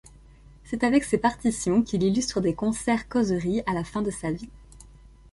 C’est avec ses partitions qu’il illustre des concerts-causeries à la fin de sa vie.